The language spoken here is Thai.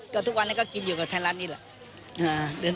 ก็ทุกวันนี้ก็กินอยู่กับไทยรัฐนี่แหละ